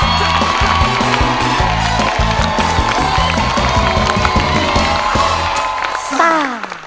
ซ่า